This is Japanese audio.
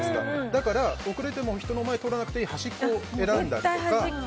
だから遅れても人の前を通らない端を選んだりとか。